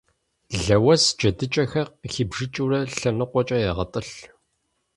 Лэуэс джэдыкӀэхэр къыхибжыкӀыурэ лъэныкъуэкӀэ егъэтӀылъ.